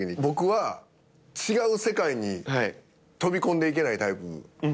僕は違う世界に飛び込んでいけないタイプ。